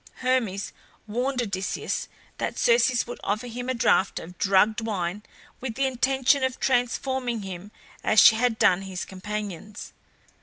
Hermes warned Odysseus that Circe would offer him a draught of drugged wine with the intention of transforming him as she had done his companions.